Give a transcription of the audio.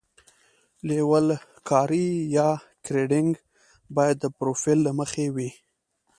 لیول کاري یا ګریډینګ باید د پروفیل له مخې وي